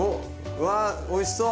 うわおいしそう！